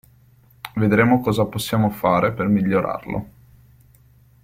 Vedremo cosa possiamo fare per migliorarlo.